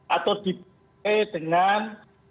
atau dibutuhkan dengan